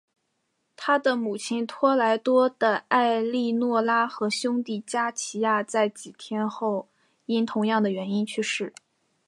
他的母亲托莱多的埃利诺拉和兄弟加齐亚在几天后因同样的原因去世。